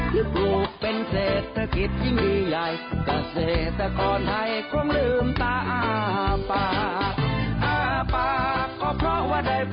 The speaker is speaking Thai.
ได้ปลูกทำลืมตาอ้าปาก